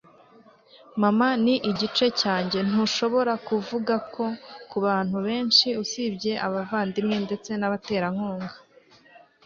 mama ni igice cyanjye. ntushobora kuvuga ko ku bantu benshi usibye abavandimwe, ndetse n'abaterankunga